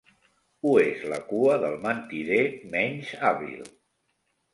Ho és la cua del mentider menys hàbil.